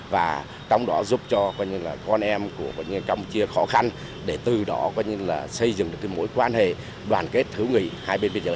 và trong đó giúp cho con em campuchia khó khăn để từ đó xây dựng được mối quan hệ đoàn kết thứ nghỉ hai bên biên giới